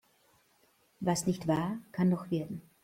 Was nicht war, kann noch werden.